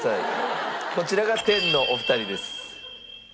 こちらが天のお二人です。